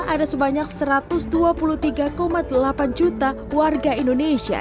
ada sebanyak satu ratus dua puluh tiga delapan juta warga indonesia